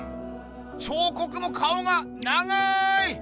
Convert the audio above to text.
彫刻も顔が長い！